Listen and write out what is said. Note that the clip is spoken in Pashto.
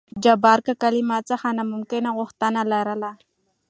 جبار کاکا له ما څخه نامکنه غوښتنه لري.